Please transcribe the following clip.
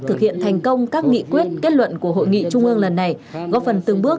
thực hiện thành công các nghị quyết kết luận của hội nghị trung ương lần này góp phần từng bước